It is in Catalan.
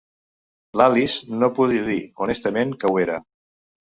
L'Alice no podia dir honestament que ho era.